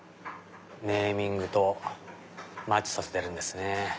ネーミングとマッチさせてるんですね。